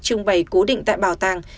trưng bày cố định tại bảo tàng